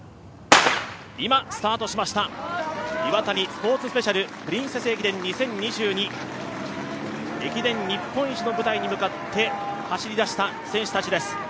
Ｉｗａｔａｎｉスポーツスペシャル・プリンセス駅伝２０２２、駅伝日本一の舞台に向かって走り出した選手たちです。